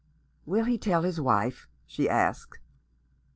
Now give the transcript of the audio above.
"Will he tell his wife?" she asked.